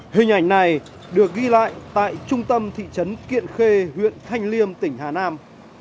hình ảnh này được ghi lại tại trung tâm thị trấn kiện khê huyện thanh liêm tỉnh hà nam